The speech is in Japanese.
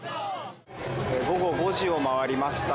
午後５時を回りました。